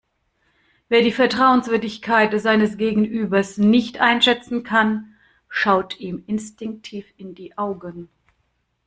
Wer die Vertrauenswürdigkeit seines Gegenübers nicht einschätzen kann, schaut ihm instinktiv in die Augen.